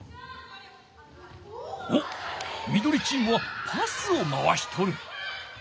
おっみどりチームはパスを回しとる。